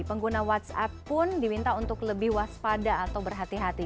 pengguna whatsapp pun diminta untuk lebih waspada atau berhati hati